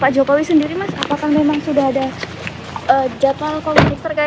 jokowi sendiri maspakan memang sudah ada monde